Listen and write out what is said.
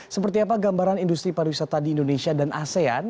seperti apa gambaran industri pariwisata di indonesia dan asean